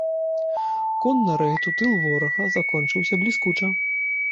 Конны рэйд у тыл ворага закончыўся бліскуча.